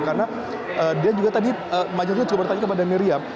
karena dia juga tadi majelis hakim juga bertanya kepada miriam